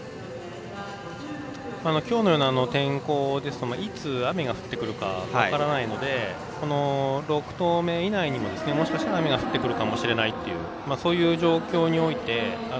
きょうのような天候ですといつ雨が降ってくるか分からないので６投目以内にもしかしたら雨が降ってくるかもしれないという状況の中